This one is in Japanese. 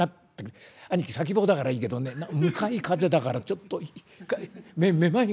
兄貴先棒だからいいけどね向かい風だからちょっとめめまいがしちゃう」。